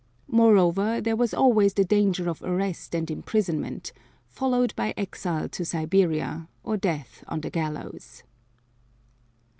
Moreover there was always the danger of arrest and imprisonment, followed by exile to Siberia, or death on the gallows.